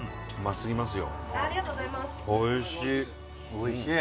おいしい。